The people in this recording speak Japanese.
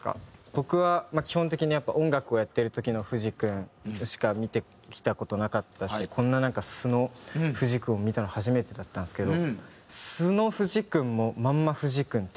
僕は基本的にやっぱ音楽をやってる時の藤くんしか見てきた事なかったしこんな素の藤くんを見たの初めてだったんですけど素の藤くんもまんま藤くんっていうか。